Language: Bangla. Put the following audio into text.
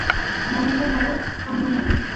যেমনটা ভাবো তা নই আমি।